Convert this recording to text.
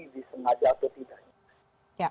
disengaja atau tidak